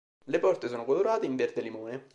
Le porte sono colorate in verde limone.